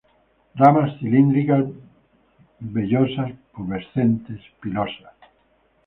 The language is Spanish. Ramas cilíndricas, vellosas, pubescentes, pilosas.